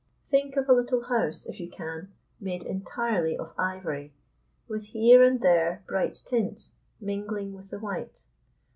Think of a little house, if you can, made entirely of ivory, with here and there bright tints mingling with the white.